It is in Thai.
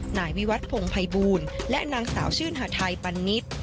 นายวิวัตพงภัยบูลและนางสาวชื่นหาทัยปันนิษฐ์